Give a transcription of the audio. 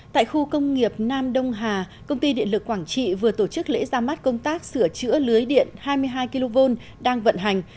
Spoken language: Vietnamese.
tại khu công nghiệp nam đông hà công ty điện lực quảng trị vừa tổ chức lễ ra mắt công tác sửa chữa lưới điện hai mươi hai kv đang vận hành